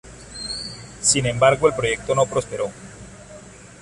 Sin embargo el proyecto no prosperó.